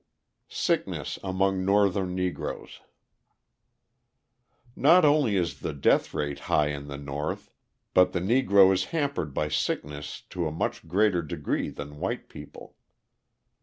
Sickness Among Northern Negroes Not only is the death rate high in the North, but the Negro is hampered by sickness to a much greater degree than white people.